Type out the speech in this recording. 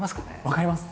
分かります。